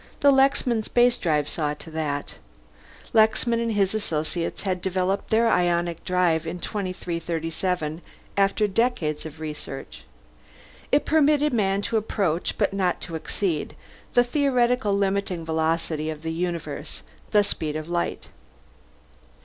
The Lexman Spacedrive saw to that. Lexman and his associates had developed their ionic drive in 2337, after decades of research. It permitted man to approach, but not to exceed, the theoretical limiting velocity of the universe: the speed of light.